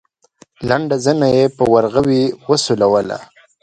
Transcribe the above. لنډه زنه يې په ورغوي وسولوله.